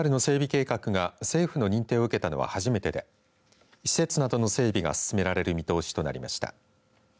計画が政府の認定を受けたのは初めてで施設などの整備が進められる見通しとなりました。